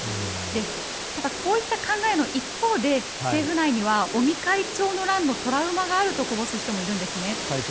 ただこういった考えの一方で政府内には尾身会長の乱のトラウマがあるとこぼす人もいるんですね。